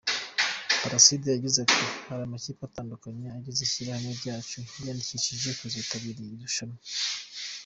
Placide yagize ati : “Hari amakipe atandukanye agize ishyirahamwe ryacu yiyandikishije kuzitabira iri rushanwa.